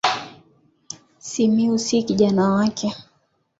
Simiyu si kijana wake